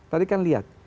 tadi kan lihat